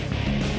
eh mbak be